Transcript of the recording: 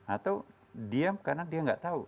atau diam karena dia nggak tahu